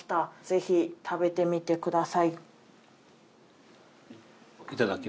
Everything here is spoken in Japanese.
ぜひ食べてみてくださいえっ